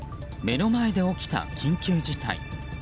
目の前で起きた緊急事態。